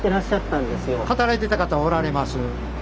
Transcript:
働いてた方おられます。